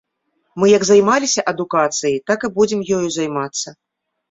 Мы як займаліся адукацыяй, так і будзем ёю займацца.